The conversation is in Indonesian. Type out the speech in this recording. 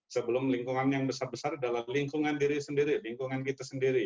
sebelum lingkungan yang besar besar dalam lingkungan diri sendiri lingkungan kita sendiri